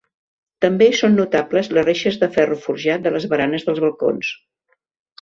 També són notables les reixes de ferro forjat de les baranes dels balcons.